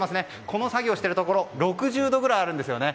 この作業をしているところは６０度ぐらいあるんですよね。